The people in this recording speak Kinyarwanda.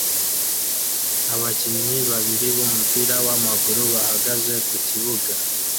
Abakinnyi babiri b'umupira w'amaguru bahagaze ku kibuga